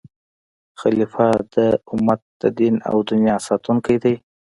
خلیفه د امت د دین او دنیا ساتونکی دی.